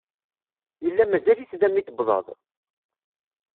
Yella mazal-it da mi d-tewwḍeḍ?